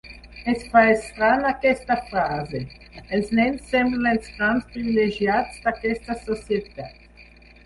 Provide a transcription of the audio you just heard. Es fa estranya aquesta frase: els nens semblen els grans privilegiats d’aquesta societat.